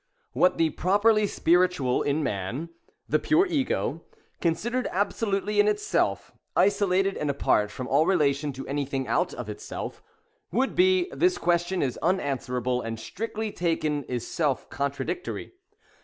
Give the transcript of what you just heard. What the properly Spiritual in man — the pv/re Ego, — idered absolutely in itself, — isolated, and apart from all ion to anything out of itself: — would be — this question IS unanswerable, and strictly taken is self contradictory.